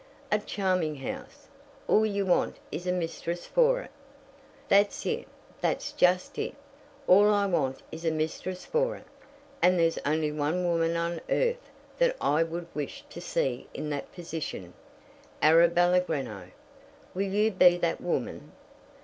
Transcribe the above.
"A charming house. All you want is a mistress for it." "That's it; that's just it. All I want is a mistress for it. And there's only one woman on earth that I would wish to see in that position. Arabella Greenow, will you be that woman?"